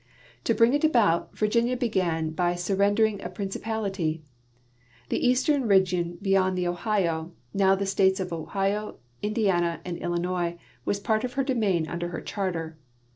" To bring it about, Virginia began by surrendering a princi ])ality. The entii'e region beyond the Ohio, now the States of Ohio, Indiana, and Illinois, was a part of her domain under her charter.